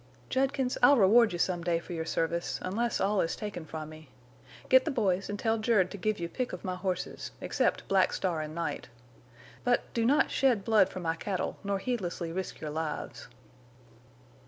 "Judkins, I'll reward you some day for your service, unless all is taken from me. Get the boys and tell Jerd to give you pick of my horses, except Black Star and Night. But—do not shed blood for my cattle nor heedlessly risk your lives."